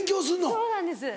そうなんです！